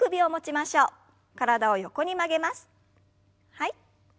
はい。